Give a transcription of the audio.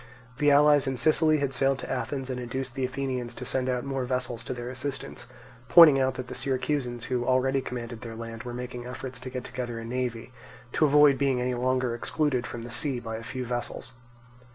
The allies in Sicily had sailed to Athens and induced the Athenians to send out more vessels to their assistance, pointing out that the Syracusans who already commanded their land were making efforts to get together a navy, to avoid being any longer excluded from the sea by a few vessels.